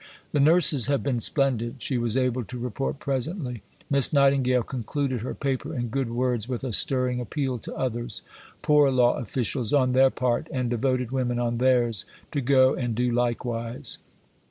"The nurses have been splendid," she was able to report presently. Miss Nightingale concluded her paper in Good Words with a stirring appeal to others Poor Law officials, on their part, and devoted women, on theirs to go and do likewise.